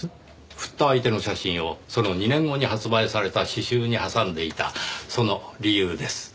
振った相手の写真をその２年後に発売された詩集に挟んでいたその理由です。